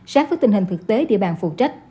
sát với tình hình thực tế địa bàn phụ trách